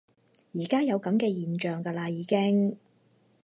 而家有噉嘅現象㗎啦已經